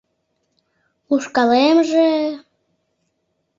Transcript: — Ушкалемже...